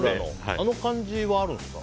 あの感じはあるんですか。